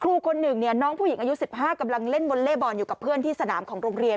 ครูคนหนึ่งเนี่ยน้องผู้หญิงอายุ๑๕กำลังเล่นวอเล่บอลอยู่กับเพื่อนที่สนามของโรงเรียน